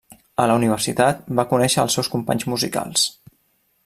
A la universitat va conèixer els seus companys musicals.